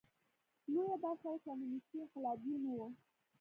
لویه برخه یې کمونېستي انقلابیون وو.